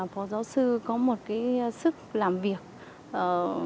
phó giáo sư có một sức làm việc khó